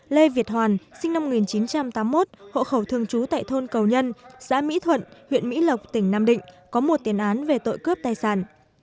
lê việt hoàn sinh năm một nghìn chín trăm tám mươi một hộ khẩu thường trú tại thôn cầu nhân xã mỹ thuận huyện mỹ lộc tỉnh nam định có một tiền án về tội cướp tài sản